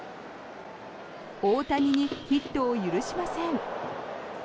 大谷にヒットを許しません。